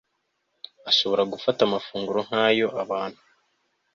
ashobora gufata amafunguro nkayo abantu